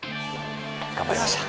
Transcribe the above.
頑張りました